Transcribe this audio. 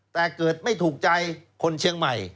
แต่เกิดไม่ถูกใจคนเชียงใหม่